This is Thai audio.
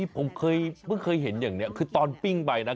ผมเคยเพิ่งเคยเห็นอย่างนี้คือตอนปิ้งไปนะ